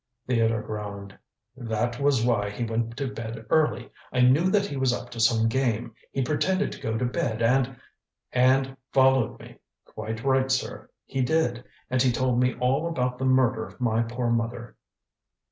Theodore groaned. "That was why he went to bed early. I knew that he was up to some game. He pretended to go to bed and " "And followed me. Quite right, sir. He did, and he told me all about the murder of my poor mother."